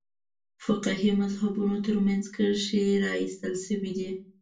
فقهي مذهبونو تر منځ کرښې راایستل شوې دي.